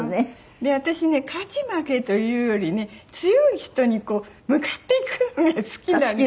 で私ね勝ち負けというよりね強い人に向かっていくのが好きなんですよ。